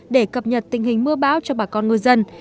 để cập nhật tình hình mưa bão cho bà con ngư dân